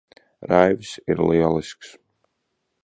Raivis ir lielisks.